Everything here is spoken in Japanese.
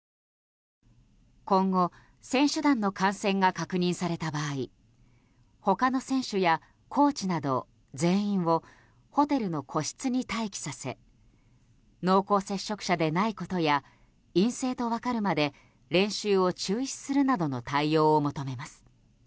今後、選手団の感染が確認された場合他の選手やコーチなど全員をホテルの個室に待機させ濃厚接触者でないことや陰性と分かるまで練習を中止するなどの対応を求めます。